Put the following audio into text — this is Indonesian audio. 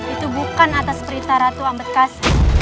itu bukan atas perintah ratu ambekasi